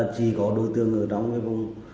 chỉ có đối tượng ở trong vùng